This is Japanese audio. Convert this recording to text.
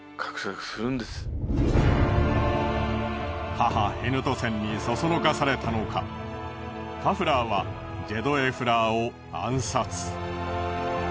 母ヘヌトセンにそそのかされたのかカフラーはジェドエフラーを暗殺。